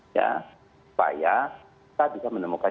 supaya kita bisa menemukan